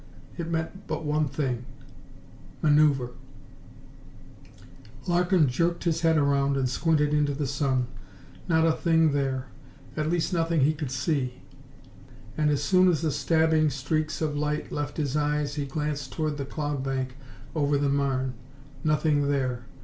It meant but one thing manoeuver! Larkin jerked his head around and squinted into the sun. Not a thing there at least nothing he could see and as soon as the stabbing streaks of light left his eyes he glanced toward the cloud bank over the Marne. Nothing there.